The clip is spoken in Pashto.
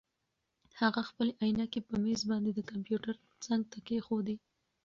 هغه خپلې عینکې په مېز باندې د کمپیوټر څنګ ته کېښودې.